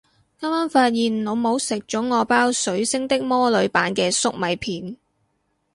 啱啱發現老母食咗我包水星的魔女版嘅粟米片